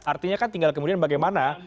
artinya kan tinggal kemudian bagaimana